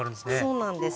そうなんです。